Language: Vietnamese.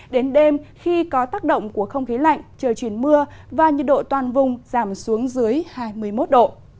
đến đêm khi có tác động của không khí lạnh trời chuyển mưa và nhiệt độ toàn vùng giảm xuống dưới hai mươi một độ